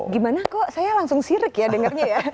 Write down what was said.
gimana kok saya langsung sirik ya dengarnya ya